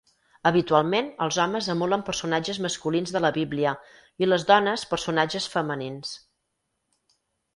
Habitualment els homes emulen personatges masculins de la Bíblia, i les dones, personatges femenins.